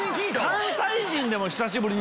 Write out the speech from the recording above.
関西人でも久しぶり。